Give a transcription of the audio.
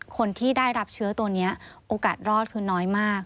คนที่ได้รับเชื้อตัวนี้โอกาสรอดคือน้อยมาก